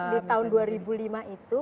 di tahun dua ribu lima itu